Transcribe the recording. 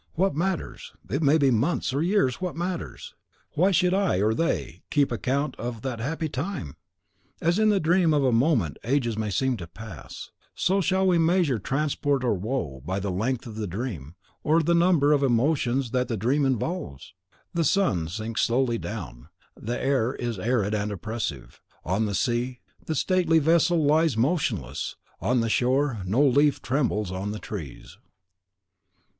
What matters! it may be months, or years what matters! Why should I, or they, keep account of that happy time? As in the dream of a moment ages may seem to pass, so shall we measure transport or woe, by the length of the dream, or the number of emotions that the dream involves? The sun sinks slowly down; the air is arid and oppressive; on the sea, the stately vessel lies motionless; on the shore, no leaf trembles on the trees.